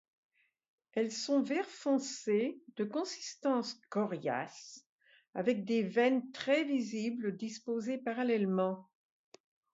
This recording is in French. Elles sont vert foncé, de consistance coriace, avec des veines très visibles disposées parallèlement.